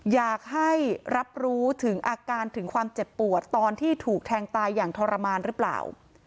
อยากให้รับรู้ถึงอาการถึงความเจ็บปวดตอนที่ถูกแทงตายอย่างทรมานหรือเปล่า